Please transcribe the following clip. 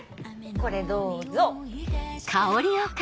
これどうぞ。